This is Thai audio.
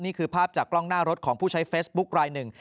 นี่คือภาพจากกล้องหน้ารถของผู้ใช้เฟซบุ๊คลายหนึ่ง